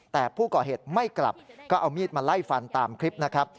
แต่ผู้ก่อเหตุไม่กลับก็เอามีดมาไล่ฟันตามคลิปนะครับ